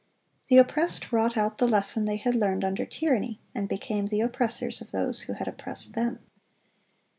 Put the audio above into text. The oppressed wrought out the lesson they had learned under tyranny, and became the oppressors of those who had oppressed them.